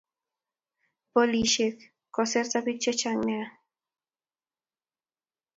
Polishek koserete pik che chnga nea